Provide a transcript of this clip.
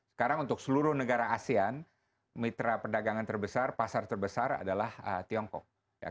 sekarang untuk seluruh negara asean mitra perdagangan terbesar pasar terbesar adalah tiongkok